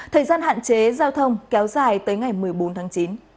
thời gian hạn chế giao thông kéo dài tới ngày một mươi bốn tháng chín